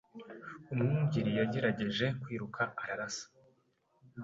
Umwungeri yagerageje kwiruka ararasa. )